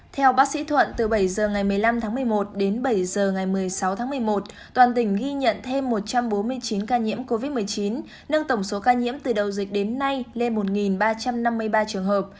theo bác sĩ thuận từ bảy h ngày một mươi năm tháng một mươi một đến bảy h ngày một mươi sáu tháng một mươi một toàn tỉnh ghi nhận thêm một trăm bốn mươi chín ca nhiễm covid một mươi chín nâng tổng số ca nhiễm từ đầu dịch đến nay lên một ba trăm năm mươi ba trường hợp